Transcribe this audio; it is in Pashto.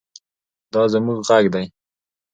دا زموږ غږ دی.